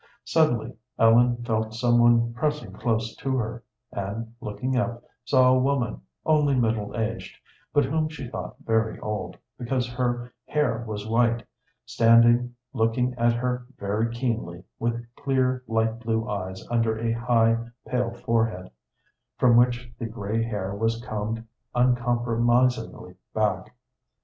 Suddenly Ellen felt some one pressing close to her, and, looking up, saw a woman, only middle aged, but whom she thought very old, because her hair was white, standing looking at her very keenly with clear, light blue eyes under a high, pale forehead, from which the gray hair was combed uncompromisingly back.